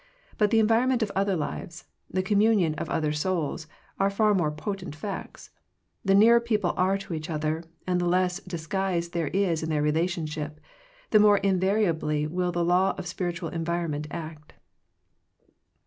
But the environment of other lives, the communion of other souls, are far more potent facts. The nearer people are to each other, and the less disguise there is in their relationship, the more invariably will the law of spir itual environment act.